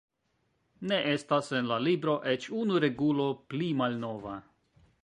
"Ne estas en la libro eĉ unu regulo pli malnova!"